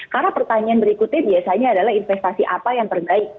karena pertanyaan berikutnya biasanya adalah investasi apa yang terbaik